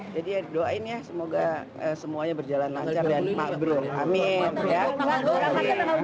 jadi doain ya semoga semuanya berjalan lancar dan makbrul amin